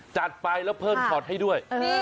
จัดไปแล้วเพิ่มช็อตให้ด้วย